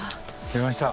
来ました。